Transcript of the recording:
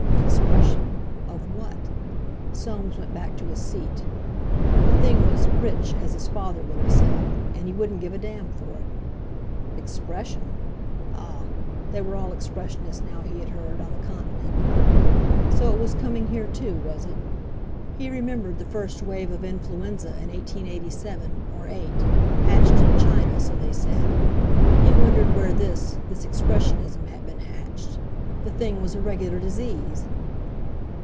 Expression? Of what? Soames went back to his seat. The thing was "rich," as his father would have said, and he wouldn't give a damn for it. Expression! Ah! they were all Expressionists now, he had heard, on the Continent. So it was coming here too, was it? He remembered the first wave of influenza in 1887—or '8—hatched in China, so they said. He wondered where this—this Expressionism had been hatched. The thing was a regular disease!